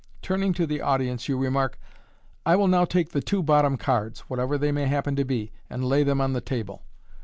Turning to the audi ence, you remark, " I will now take the two bottom cards, whatever they may happen to be, and lay them on the table."